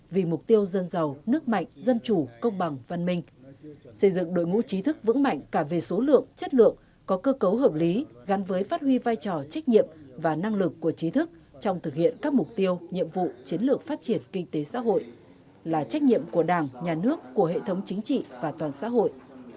vì mục tiêu dân giàu nước mạnh dân chủ công bằng văn minh xây dựng đội ngũ trí thức vững mạnh cả về số lượng chất lượng có cơ cấu hợp lý gắn với phát huy vai trò trách nhiệm và năng lực của trí thức trong thực hiện các mục tiêu nhiệm vụ chiến lược phát triển kinh tế xã hội là trách nhiệm của đảng nhà nước của hệ thống chính trị và toàn xã hội